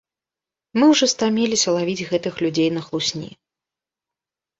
Мы ўжо стаміліся лавіць гэтых людзей на хлусні!